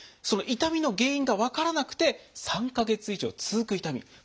その痛みの原因が分からなくて３か月以上続く痛み。